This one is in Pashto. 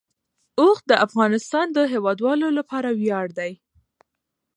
اوښ د افغانستان د هیوادوالو لپاره ویاړ دی.